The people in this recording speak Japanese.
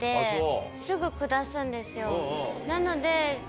なので。え？